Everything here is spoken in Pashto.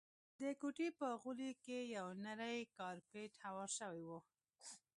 د کوټې په غولي کي یو نری کارپېټ هوار شوی وو.